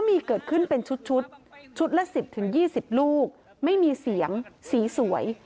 มีเกิดขึ้นเป็นชุดชุดละ๑๐๒๐ลูกไม่มีเสียงสีสวย